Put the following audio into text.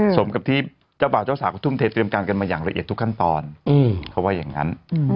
สมกับที่เจ้าบ่าวเจ้าสาวก็ทุ่มเทเตรียมการกันมาอย่างละเอียดทุกขั้นตอนเขาว่าอย่างนั้น